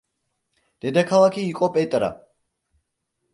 დედაქალაქი იყო პეტრა.